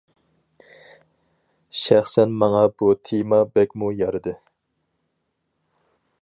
شەخسەن ماڭا بۇ تېما بەكمۇ يارىدى.